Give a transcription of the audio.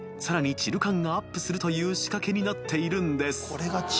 チル感がアップするという仕掛けになっているんです］